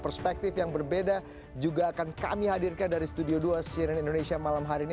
perspektif yang berbeda juga akan kami hadirkan dari studio dua cnn indonesia malam hari ini